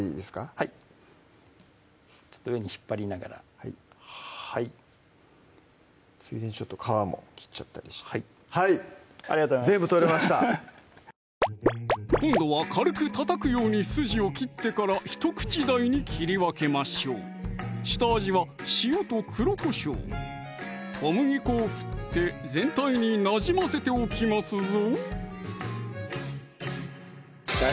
はいちょっと上に引っ張りながらはいついでに皮も切っちゃったりしてありがとうございます全部取れました今度は軽くたたくように筋を切ってから１口大に切り分けましょう下味は塩と黒こしょう小麦粉を振って全体になじませておきますぞ